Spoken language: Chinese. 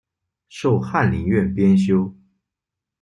授翰林院编修。